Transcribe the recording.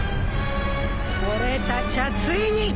俺たちゃついに。